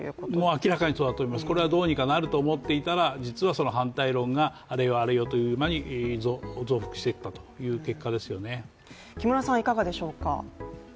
明らかにそうだと思います、これはどうにかなると思っていたら実は反対論があれよあれよという間に増幅していったという結果ですよね。